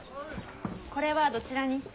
これはどちらに？